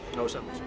nggak usah nusa